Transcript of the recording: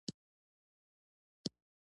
ماشومانو د خپل ښوونکي خبرې په غور اوریدلې.